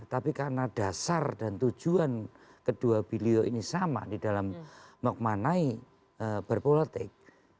tapi karena dasar dan tujuan kedua beliau ini sama di dalam memaknai berpolitik